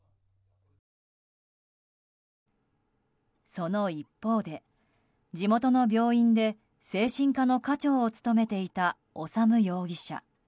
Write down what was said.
その一方で地元の病院で精神科の科長を務めていた修容疑者。